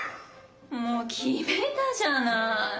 もう決めたじゃない。